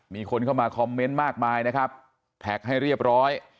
มีคนเข้ามาคอมเมนต์มากมายนะครับแท็กให้เรียบร้อย